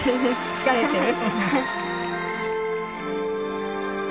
疲れている？